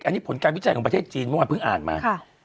อันนี้ผลการวิจัยของประเทศจีนเมื่อวานเพิ่งอ่านมา